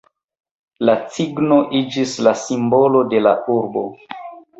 La cigno iĝis la simbolo de la urbo.